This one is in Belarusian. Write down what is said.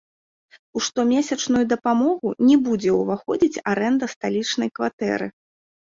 У штомесячную дапамогу не будзе ўваходзіць арэнда сталічнай кватэры.